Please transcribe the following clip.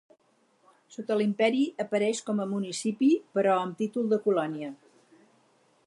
Sota l'Imperi apareix com a municipi però amb títol de colònia.